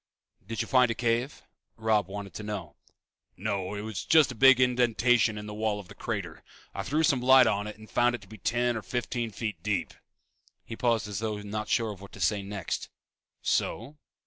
"Did you find a cave?" Robb wanted to know. "No, it was just a big indentation in the wall of the crater. I threw some light on it and found it to be ten or fifteen feet deep." He paused as though not sure of what to say next. "So?"